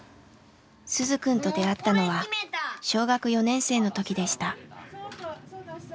鈴くんと出会ったのは小学４年生の時でした。